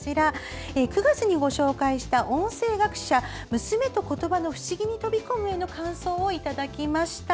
９月にご紹介した「音声学者、娘とことばの不思議に飛び込む」への感想をいただきました。